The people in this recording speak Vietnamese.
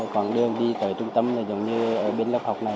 còn đường đi tới trung tâm là giống như ở bên lớp học này